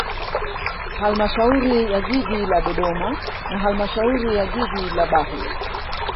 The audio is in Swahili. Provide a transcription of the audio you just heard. Halamashauri ya jiji la Dodoma na halmashauri ya jiji la Bahi